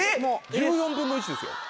１４分の１ですよ。